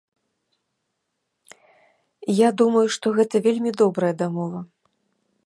Я думаю, што гэта вельмі добрая дамова.